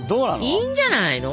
いいんじゃないの？